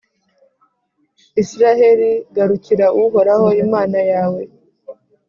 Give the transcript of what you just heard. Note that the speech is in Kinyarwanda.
israheli, garukira Uhoraho Imana yawe,